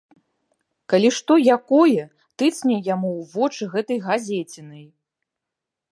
Калі што якое, тыцні яму ў вочы гэтай газецінай.